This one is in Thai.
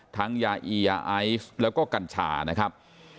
ทั้งยาอียาไอแล้วก็กัญชานะครับ